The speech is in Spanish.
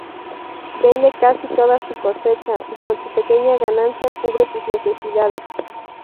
Vende casi toda su cosecha y con su pequeña ganancia cubre sus necesidades.